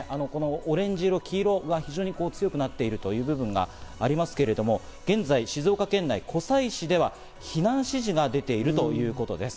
オレンジ色、黄色が非常に強くなっているという部分がありますけれども、現在、静岡県内湖西市では避難指示が出ているということです。